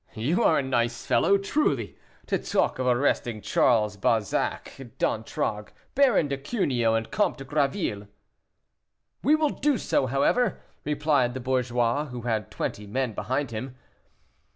"You are a nice fellow, truly, to talk of arresting Charles Balzac d'Antragues, Baron de Cuneo, and Comte de Graville." "We will do so, however," replied the bourgeois, who had twenty men behind him.